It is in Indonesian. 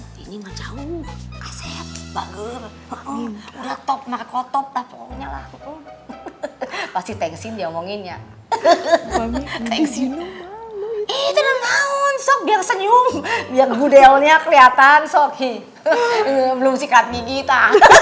biar gudelnya keliatan sok belum sikat gigi ta